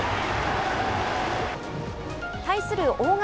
対する大垣